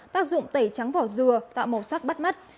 tác dụng tẩy trắng vỏ dừa tạo màu sắc bắt mắt